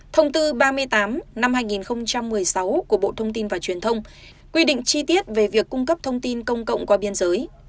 thông tư ba mươi tám năm hai nghìn một mươi sáu của bộ thông tin và truyền thông quy định chi tiết về việc cung cấp thông tin công cộng qua biên giới